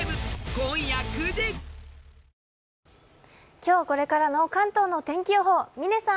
今日これからの関東の天気予報、嶺さん。